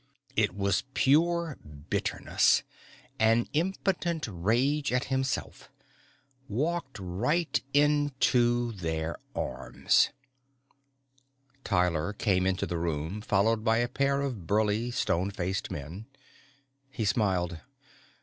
_ It was pure bitterness, an impotent rage at himself. Walked right into their arms! Tyler came into the room, followed by a pair of burly stone faced men. He smiled.